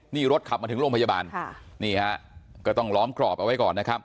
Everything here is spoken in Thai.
นี่รถขับมาถึงโรงพยาบาลนะครับนี่ฮะก็ต้องล้อมกรอบเอาไว้